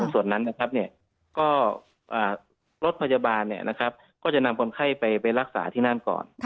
ส่วนนั้นนะครับก็รถพยาบาลก็จะนำคนไข้ไปรักษาที่นั่นก่อน